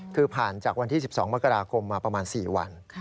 คือผ่านจากวันที่๑๒มกราคมมาประมาณ๔วัน